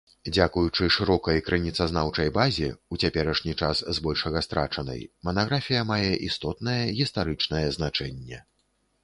Дзякуючы шырокай крыніцазнаўчай базе, у цяперашні час збольшага страчанай, манаграфія мае істотнае гістарычнае значэнне.